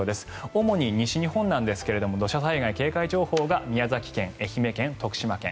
主に西日本なんですが土砂災害警戒情報が宮崎県、愛媛県、徳島県。